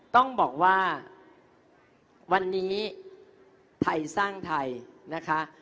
ต้องบอกว่าวันนี้ไทยสร้างไทยนะคะ